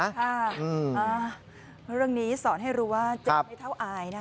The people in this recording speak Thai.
เรื่องนี้สอนให้รู้ว่าเจ็บไม่เท่าอายนะคะ